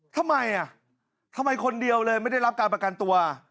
ทำไมอ่ะทำไมคนเดียวเลยไม่ได้รับการประกันตัว